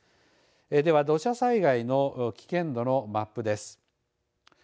では土砂災害の危険度のマップです。